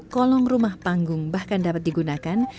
kolong rumah panggung bahkan dapat digunakan